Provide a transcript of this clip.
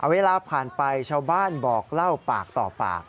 เวลาผ่านไปชาวบ้านบอกเล่าปากต่อปาก